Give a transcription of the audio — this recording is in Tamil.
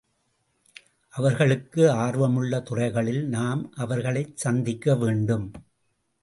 அவர்களுக்கு ஆர்வமுள்ள துறைகளில் நாம் அவர்களைச் சந்திக்க வேண்டும்.